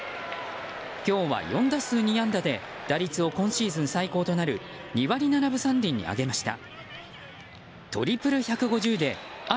今日は４打数２安打で打率を今シーズン最高となる２割７分３厘に上げました。